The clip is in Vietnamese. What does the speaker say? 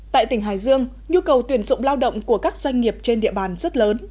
tại tỉnh hải dương nhu cầu tuyển dụng lao động của các doanh nghiệp trên địa bàn rất lớn